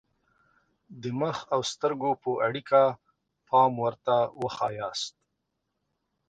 د مخ او سترګو په اړیکه پام ورته وښایاست.